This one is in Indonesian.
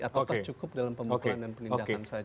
atau tercukup dalam pemukulan dan penindakan saja